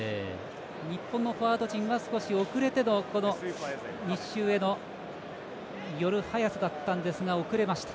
日本のフォワード陣少し遅れての密集への寄る速さだったんですが遅れました。